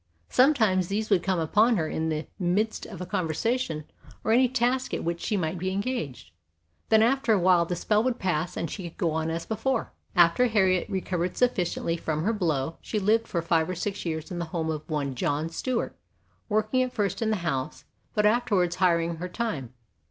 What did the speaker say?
Some times these would come upon her in the midst of a conversation or any task at which she might be engaged; then after a while the spell would pass and she could go on as before. After Harriet recovered sufficiently from her blow she lived for five or six years in the home of one John Stewart, working at first in the house but afterwards hiring her time.